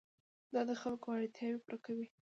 دا د خلکو اړتیاوې پوره کوي.